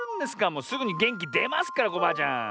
もうすぐにげんきでますからコバアちゃん。